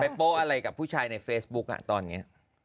โป๊ะอะไรกับผู้ชายในเฟซบุ๊กตอนนี้